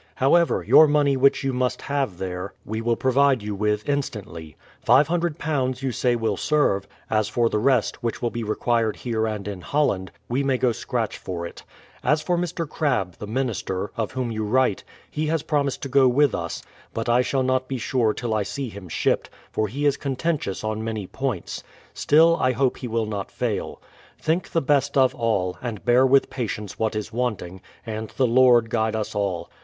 However, your money which you must have there, we will provide you with instantly. £500 you say will serve; as for the rest, which will be required here and in Holland, we may go scratch for it. As for Mr. Crabe, the minister, of whom you write, he has promised to go with us; but I shall not be sure till I see him shipped, for he is contentious on many points ; still, I hope he will not fail. Think the best of all, and bear with patience what is wanting, and the Lord guide us all.